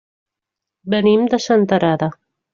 Venim de Senterada.